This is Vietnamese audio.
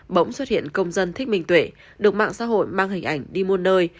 bỗng xuất hiện công dân thích minh tuệ được mạng xã hội mang hình ảnh đi muôn nơi